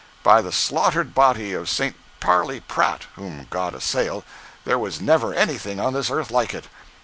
By the slaughtered body of St. Parley Pratt (whom God assoil!) there was never anything on this earth like it!